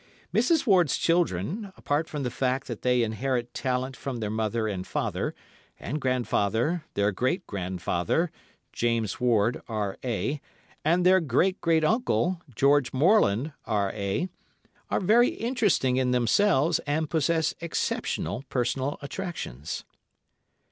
Mrs. Ward's children, apart from the fact that they inherit talent from their mother and father, and grandfather, their great grandfather, James Ward, R.A., and their great great uncle, George Morland, R.A., are very interesting in themselves and possess exceptional personal attractions.